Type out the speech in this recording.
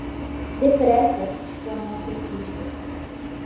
Depressa! Exclamou a frentista